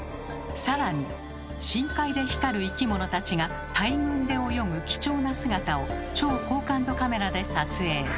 さらに深海で光る生き物たちが大群で泳ぐ貴重な姿を超高感度カメラで撮影。